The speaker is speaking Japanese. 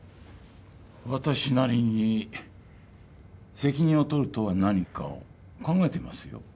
私なりに責任を取るとは何かを考えていますよ。